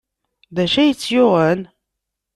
D acu ay tt-yuɣen?